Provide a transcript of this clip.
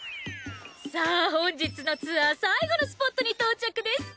さあ本日のツアー最後のスポットに到着です。